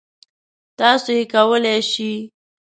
تاسو یې کولای شی.